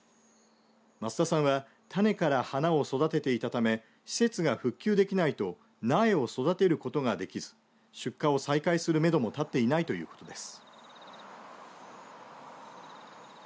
増田さんは種から花を育てていたため施設が復旧できないと苗を育てることができず出荷を再開するめども立っていないということです。